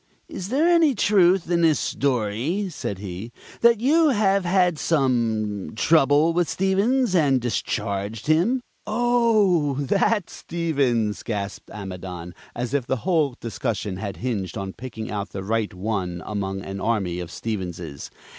"Is there any truth in this story," said he, "that you have had some trouble with Stevens, and discharged him?" "Oh, that Stevens!" gasped Amidon, as if the whole discussion had hinged on picking out the right one among an army of Stevenses.